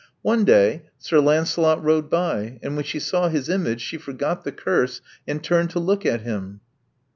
One day,. Sir Lancelot rode by; and when she saw his image she forgot the curse and turned to look at him."